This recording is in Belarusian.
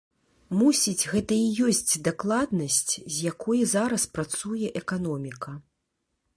Мусіць, гэта і ёсць дакладнасць, з якой зараз працуе эканоміка.